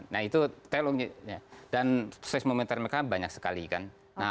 nah itu teologi dan seismometer mereka banyak sekali kan